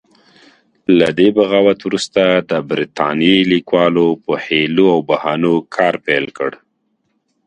له دې بغاوت وروسته د برتانیې لیکوالو په حیلو او بهانو کار پیل کړ.